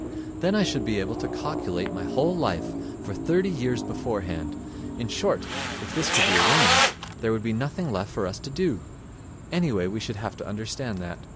Then I should be able to calculate my whole life for thirty years beforehand. In short, if this could be arranged there would be nothing left for us to do; anyway, we should have to understand that.